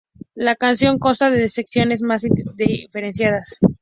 La canción consta de dos secciones muy diferenciadas.